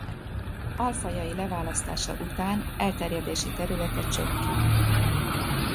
Alfajai leválasztása után elterjedési területe csökken.